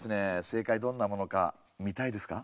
正解どんなものか見たいですか？